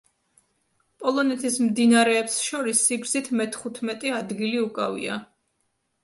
პოლონეთის მდინარეებს შორის სიგრძით მეთხუთმეტე ადგილი უკავია.